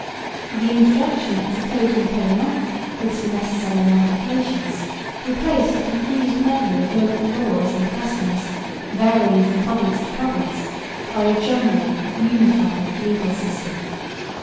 The introduction of the Code Napoléon, with some necessary modifications, replaced a confused medley of local laws and customs, varying from province to province, by a general unified legal system.